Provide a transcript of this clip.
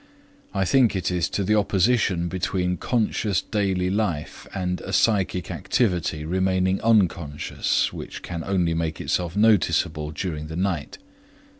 I think it is to the opposition between conscious daily life and a psychic activity remaining unconscious which can only make itself noticeable during the night.